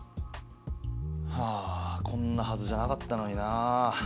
はぁこんなはずじゃなかったのにな。